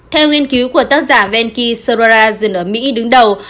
theo nghiên cứu của tác giả venky sarwarajan ở mỹ đứng đầu